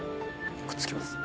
くっつきます。